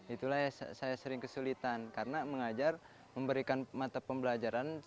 itulah yang saya sering kesulitan karena mengajar memberikan mata pembelajaran